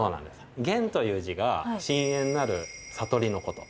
玄という字が深淵なる悟りのこと。